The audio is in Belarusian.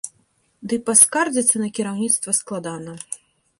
Дый паскардзіцца на кіраўніцтва складана.